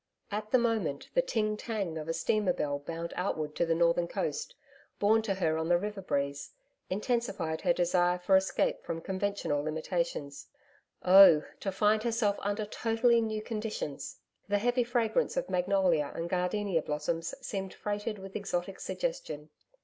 At the moment the ting tang of a steamer bell bound outward to the northern coast, borne to her on the river breeze, intensified her desire for escape from conventional limitations. Oh! to find herself under totally new conditions! The heavy fragrance of magnolia and gardenia blossoms seemed freighted with exotic suggestion.